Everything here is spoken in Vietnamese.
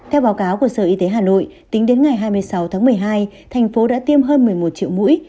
theo báo cáo của sở y tế hà nội tính đến ngày hai mươi sáu tháng một mươi hai thành phố đã tiêm hơn một mươi một triệu mũi